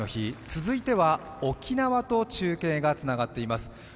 続いては沖縄と中継がつながっています。